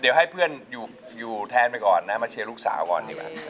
เดี๋ยวให้เพื่อนอยู่แทนไปก่อนนะมาเชียร์ลูกสาวก่อนดีกว่า